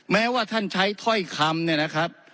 แม้ว่าท่านใช้ถ้อยคำเนี่ยนะครับ